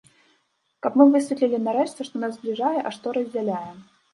Каб мы высветлілі нарэшце, што нас збліжае, а што раздзяляе.